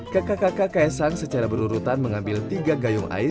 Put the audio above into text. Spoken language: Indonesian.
kakak kakak kaisang secara berurutan mengambil tiga gayung air